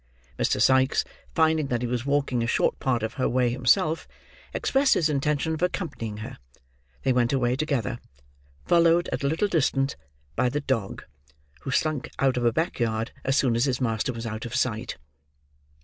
Mr. Sikes, finding that he was walking a short part of her way himself, expressed his intention of accompanying her; they went away together, followed, at a little distant, by the dog, who slunk out of a back yard as soon as his master was out of sight.